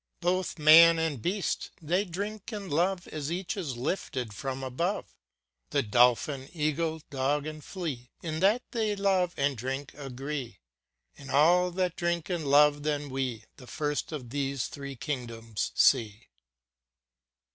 Both man and beast, they drink and love As each is lifted from above ; The dolphin, eagle, dog and flea, In that they love and drink, agree : In all that drink and love then we The first of these three kingdoms see.